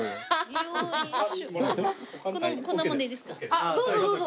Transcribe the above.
あっどうぞどうぞ。